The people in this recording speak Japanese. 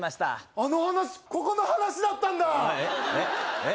あの話ここの話だったんだえっ？